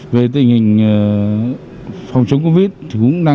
về tình hình phòng chống covid một mươi chín